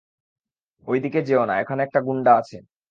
ঐদিকে যেও না, ওখানে একটা গুন্ডা আছে।